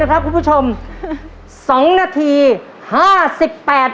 ต่อไปนะครับคุณผู้ชมที่ผมจะเฉลยนะครับจากเรื่องน้ำเต้าหู้ครับ